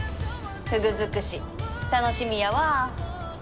フグ尽くし楽しみやわ